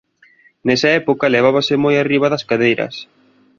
Nesa época levábanse moi arriba das cadeiras.